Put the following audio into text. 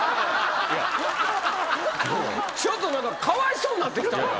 ちょっと何かかわいそうになってきた。